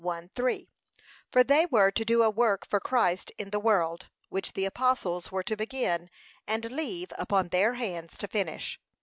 1:3) For they were to do a work for Christ in the world, which the apostles were to begin, and leave upon their hands to finish.